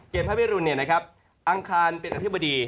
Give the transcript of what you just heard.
เกณฑ์พระพิรุนอังคารเป็นอธิบดี